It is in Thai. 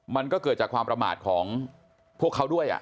มันก็เกิดจากความประมาทของพวกเขาด้วย